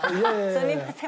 すみません。